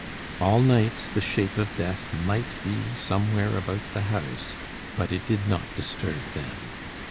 All night the shape of death might be somewhere about the house; but it did not disturb them.